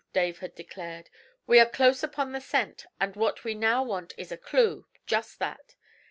Dave had declared. 'We are close upon the scent, and what we now want is a clue, just that.